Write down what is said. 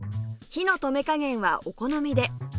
火の止め加減はお好みで